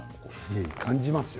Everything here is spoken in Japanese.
感じていますよ。